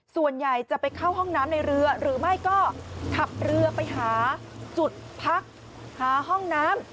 ส่วนใหญ่จะไปเข้าห้องน้ำในเรือหรือไม่ก็ขับเรือไปหาจุดพักหาห้องน้ำ